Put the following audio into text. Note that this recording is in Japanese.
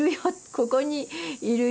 ここにいるよ。